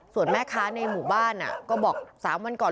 ส่วนแม่ค้าในหมู่บ้านก็บอก๓วันก่อน